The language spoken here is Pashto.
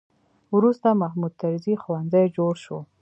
وروسته محمود طرزي ښوونځی جوړ شو.